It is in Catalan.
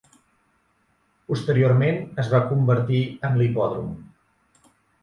Posteriorment, es va convertir en l'Hipòdrom.